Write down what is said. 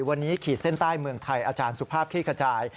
วันนี้ขีดเส้นใต้เมืองไทยอาจารย์สุภาพคลี่ขจาย